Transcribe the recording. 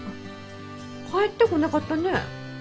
帰ってこなかったね。